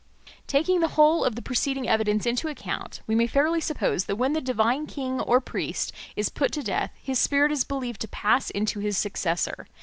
Taking the whole of the preceding evidence into account, we may fairly suppose that when the divine king or priest is put to death his spirit is believed to pass into his successor.